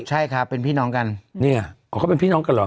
ใช่ครับเป็นพี่น้องกันเนี่ยอ๋อเขาเป็นพี่น้องกันเหรอ